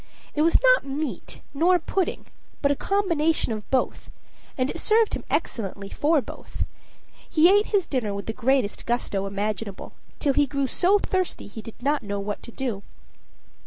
It was not meat, nor pudding, but a combination of both, and it served him excellently for both. He ate his dinner with the greatest gusto imaginable, till he grew so thirsty he did not know what to do.